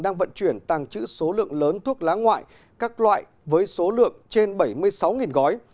đang vận chuyển tàng trữ số lượng lớn thuốc lá ngoại các loại với số lượng trên bảy mươi sáu gói